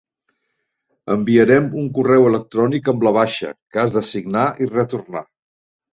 Enviarem un correu electrònic amb la baixa, que has de signar i retornar.